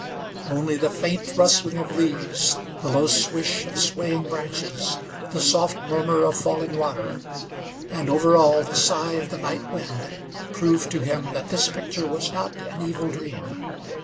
Only the faint rustling of leaves, the low swish of swaying branches, the soft murmur of falling water, and over all the sigh of the night wind, proved to him that this picture was not an evil dream.